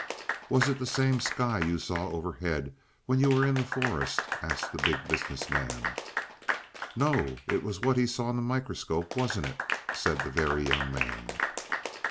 "Was it the same sky you saw overhead when you were in the forest?" asked the Big Business Man. "No, it was what he saw in the microscope, wasn't it?" said the Very Young Man.